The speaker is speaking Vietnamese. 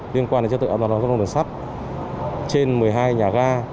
liên quan đến trật tự an toàn giao thông đường sắt trên một mươi hai nhà ga